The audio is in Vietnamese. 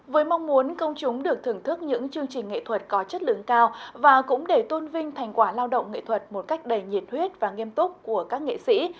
với mong muốn công chúng được thưởng thức những chương trình nghệ thuật có chất lượng cao và cũng để tôn vinh thành quả lao động nghệ thuật một cách đầy nhiệt huyết và nghiêm túc của các nghệ sĩ